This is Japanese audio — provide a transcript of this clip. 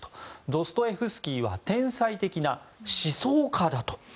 ドストエフスキーは天才的な思想家だと。